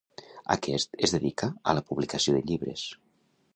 Aquest es dedica a la publicació de llibres.